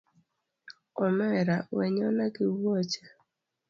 Omera wenyona gi wuoche